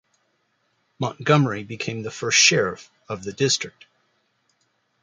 Montgomery became the first sheriff of the district.